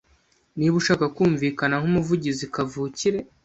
Niba ushaka kumvikana nkumuvugizi kavukire,